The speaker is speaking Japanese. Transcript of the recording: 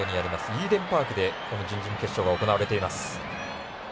イーデンパークで準々決勝が行われています。